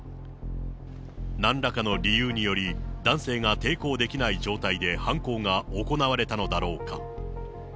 なんらかの理由により、男性が抵抗できない状態で犯行が行われたのだろうか。